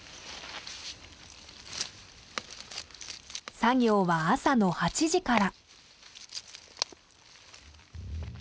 作業は朝の８時から。